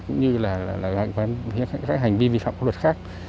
cũng như là hành vi vi phạm pháp luật khác